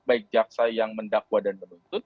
baik jaksa yang mendakwa dan menuntut